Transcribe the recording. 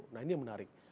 nah ini yang menarik